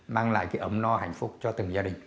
mang lại cái ấm no hạnh phúc cho từng gia đình